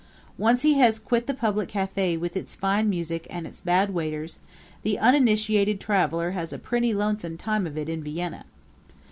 Once he has quit the public cafe with its fine music and its bad waiters the uninitiated traveler has a pretty lonesome time of it in Vienna.